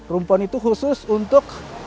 rumpon itu khusus untuk